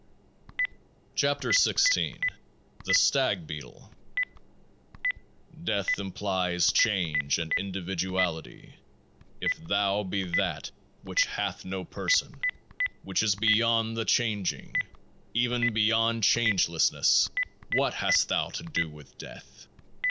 24 KEOAAH IS THE STAG BEETLE Death implies change and individuality if thou be THAT which hath no person, which is beyond the changing, even beyond change lessness, what hast thou to do with death?